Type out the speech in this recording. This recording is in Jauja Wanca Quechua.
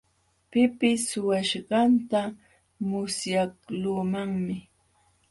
Pipis suwaaśhqanta musyaqluumanmi.